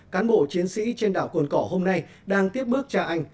cán bộ chiến sĩ trên đảo cồn cỏ hôm nay đang tiếp bước cha anh